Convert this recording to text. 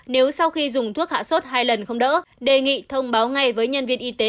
nếu sau khi dùng thuốc hạ sốt hai lần không đỡ đề nghị thông báo ngay với nhân viên y tế